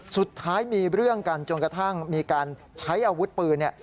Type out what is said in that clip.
สุดท้ายมีเรื่องกันจนกระทั่งมีการใช้อาวุธปืน